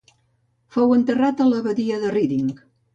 Fou enterrat a l'abadia de Reading.